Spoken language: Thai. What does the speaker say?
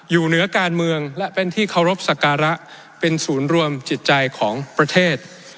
อยู่เหนือการเมืองและเป็นที่เคารพสักการะเป็นศูนย์รวมจิตใจของประเทศ